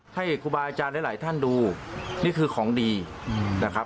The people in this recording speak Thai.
ให้ครูบาอาจารย์หลายท่านดูนี่คือของดีนะครับ